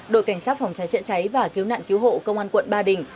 đội cảnh sát phòng cháy chữa cháy và cứu nạn cứu hộ công an quận ba đình